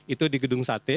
itu di gedung sate